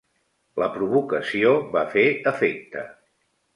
La provocació va fer efecte.